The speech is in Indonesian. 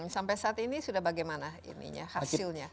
sampai saat ini sudah bagaimana ininya hasilnya